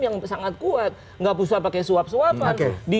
yang sangat kuat nggak usah pakai suap suapan